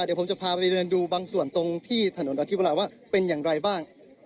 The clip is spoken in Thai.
เดี๋ยวผมจะพาไปเดินดูบางส่วนตรงที่ถนนอธิบราว่าเป็นอย่างไรบ้าง